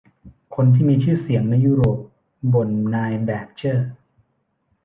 คนที่มีชื่อเสียงในยุโรปบ่นนายแบดเจอร์